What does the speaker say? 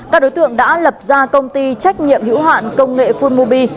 các đối tượng đã lập ra công ty trách nhiệm hữu hạn công nghệ fulmobi